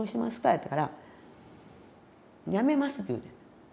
言われたから「辞めます」って言うてん。